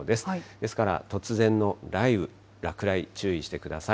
ですから突然の雷雨、落雷、注意してください。